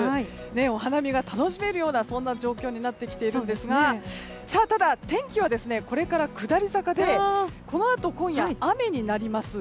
お花見が楽しめるようなそんな状況になってきているんですがただ、天気はこれから下り坂でこのあと今夜は雨になります。